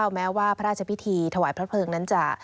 แม้ว่าพระราชพิธีถวายพระเพลิงนั้นจะ